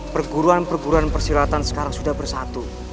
perguruan perguruan persilatan sekarang sudah bersatu